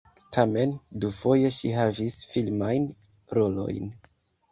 Tamen dufoje ŝi havis filmajn rolojn.